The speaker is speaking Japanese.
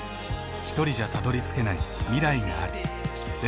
ひとりじゃたどりつけない未来がある。